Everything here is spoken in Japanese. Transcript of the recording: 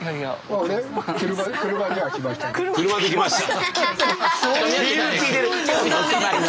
車で来ました。